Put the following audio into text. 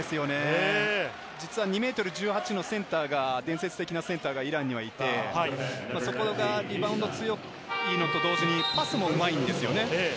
２ｍ１８ｃｍのセンターが伝説的なセンターがイランにはいて、そこがリバウンド強いのと同時にパスもうまいんですよね。